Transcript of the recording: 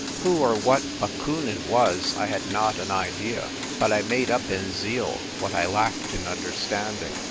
Who or what Bakunin was I had not an idea : but I made up in zeal what I lacked in understanding.